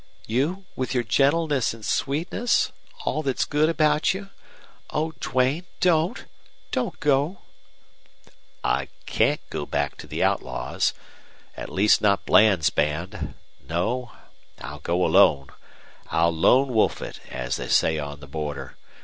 You, with your gentleness and sweetness all that's good about you? Oh, Duane, don't don't go!" "I can't go back to the outlaws, at least not Bland's band. No, I'll go alone. I'll lone wolf it, as they say on the border.